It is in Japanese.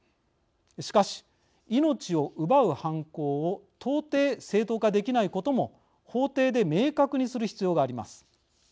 しかし、命を奪う犯行を到底、正当化できないことも法廷で明確にする必要があります。